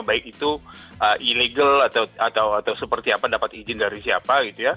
baik itu ilegal atau seperti apa dapat izin dari siapa gitu ya